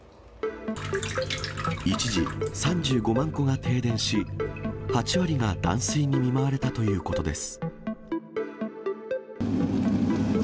一時、３５万戸が停電し、８割が断水に見舞われたということです。